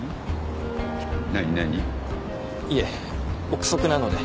いえ臆測なので。